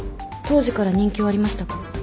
当時から人気はありましたか？